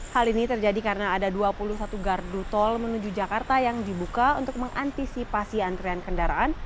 hal ini terjadi karena ada dua puluh satu gardu tol menuju jakarta yang dibuka untuk mengantisipasi antrean kendaraan